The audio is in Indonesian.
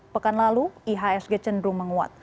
pekan lalu ihsg cenderung menguat